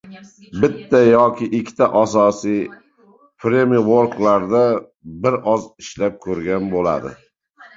Bitta yoki ikkita asosiy frameworklarda bir oz ishlab ko’rgan bo’ladi